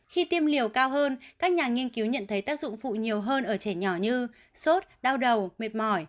khi tiêm liều cao hơn các nhà nghiên cứu nhận thấy tác dụng phụ nhiều hơn ở trẻ nhỏ như sốt đau đầu mệt mỏi